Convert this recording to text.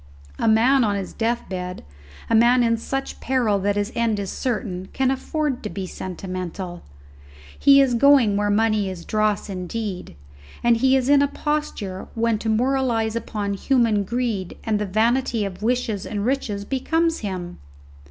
A man on his deathbed, a man in such peril that his end is certain, can afford to be sentimental. He is going where money is dross indeed, and he is in a posture when to moralize upon human greed and the vanity of wishes and riches becomes him.